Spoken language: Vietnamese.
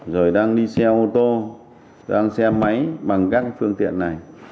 rồi đang đi xe ô tô đang xe máy bằng các phương tiện này